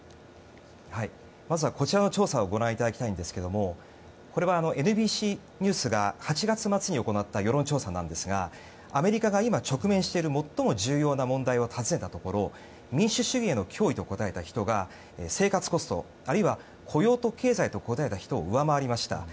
まずはこちらの調査をご覧いただきたいんですけれどもこれはＮＢＣニュースが８月末に行った世論調査なんですがアメリカが今、直面している最も重要な問題を尋ねたところ民主主義への脅威と答えた人が生活コスト、あるいは雇用と経済と答えた人を上回りました。